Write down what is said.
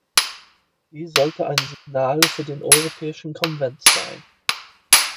Dies sollte ein Signal für den Europäischen Konvent sein.